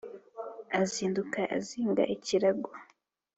azinduka azinga ikirago